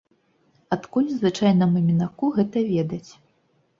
Адкуль звычайнаму мінаку гэта ведаць?